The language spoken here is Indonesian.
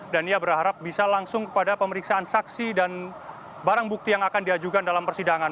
dan ia berharap bisa langsung kepada pemeriksaan saksi dan barang bukti yang akan diajukan dalam persidangan